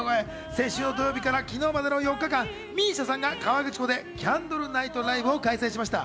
先週の土曜日から昨日までの４日間、ＭＩＳＩＡさんが河口湖でＣａｎｄｌｅＮｉｇｈｔＬｉｖｅを開催しました。